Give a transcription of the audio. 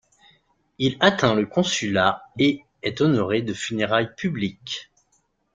Il atteint le consulat et est honoré de funérailles publiques.